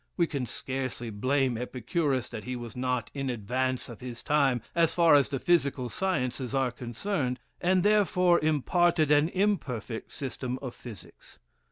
(We can scarcely blame Epicurus that he was not in advance of his time, as far as the physical sciences are concerned, and therefore imparted an imperfect system of physics.